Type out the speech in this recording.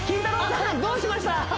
さんどうしました？